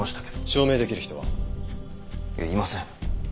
証明できる人は？いやいません。